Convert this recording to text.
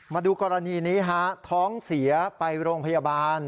มาดูกรณีนี้ฮะท้องเสียไปโรงพยาบาล